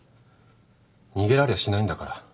逃げられやしないんだから。